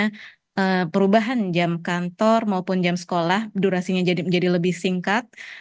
karena perubahan jam kantor maupun jam sekolah durasinya jadi lebih singkat